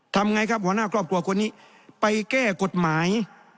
ทำไงครับหัวหน้าครอบครัวคนนี้ไปแก้กฎหมาย